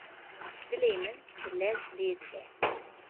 Dilê min bi lez lê dide.